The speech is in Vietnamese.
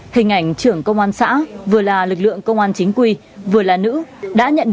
hình ảnh trưởng công an xã liêm tuyền